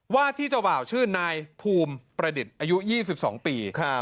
ว่าที่เจ้าบ่าวชื่อนายภูมิประดิษฐ์อายุ๒๒ปี